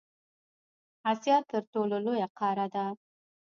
اسیا تر ټولو لویه قاره ده.